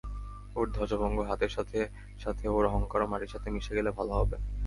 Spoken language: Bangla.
ওর ধ্বজভঙ্গ হাতের সাথে সাথে ওর অহংকারও মাটির সাথে মিশে গেলে ভালো হবে।